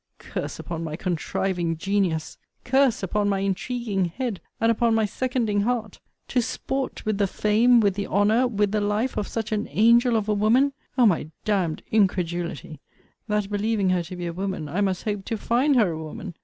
Curse upon my contriving genius! Curse upon my intriguing head, and upon my seconding heart! To sport with the fame, with the honour, with the life, of such an angel of a woman! O my d d incredulity! That, believing her to be a woman, I must hope to find her a woman!